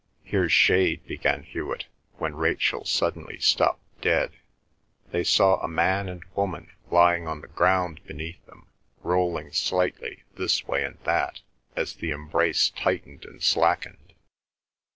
"Here's shade," began Hewet, when Rachel suddenly stopped dead. They saw a man and woman lying on the ground beneath them, rolling slightly this way and that as the embrace tightened and slackened.